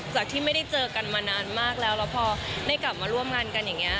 ที่ไม่ได้เจอกันมานานมากแล้วแล้วพอได้กลับมาร่วมงานกันอย่างนี้